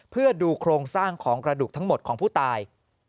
เพื่อดูโครงสร้างของกระดูกทั้งหมดของผู้ตาย